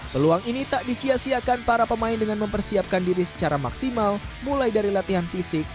peluang ini tak disiasiakan para pemain dengan mempersiapkan diri secara maksimal mulai dari latihan fisik